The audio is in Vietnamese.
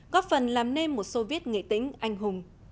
góp phần làm nên một soviet nghệ tĩnh anh hùng